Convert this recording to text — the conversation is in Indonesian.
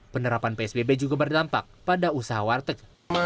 penerapan psbb juga berdampak pada usaha warteg